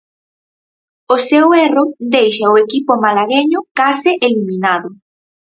O seu erro deixa o equipo malagueño case eliminado.